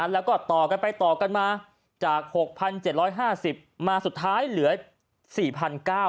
แล้วก็ต่อกันไปต่อกันมาจาก๖๗๕๐มาสุดท้ายเหลือ๔๙๐๐บาท